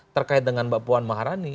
terkait dengan mbak puan maharani